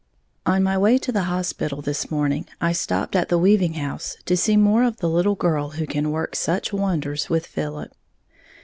_ On my way to the hospital this morning, I stopped at the weaving house to see more of the little girl who can work such wonders with Philip.